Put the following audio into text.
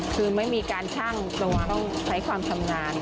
คือไม่มีการชั่งตัวต้องใช้ความทำงาน